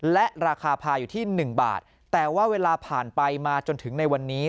และราคาพาอยู่ที่๑บาทแต่ว่าเวลาผ่านไปมาจนถึงในวันนี้